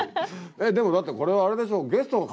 えっでもだってこれあれでしょ。